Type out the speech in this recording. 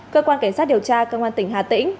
cơ quan cảnh sát điều tra cơ quan tỉnh hà tĩnh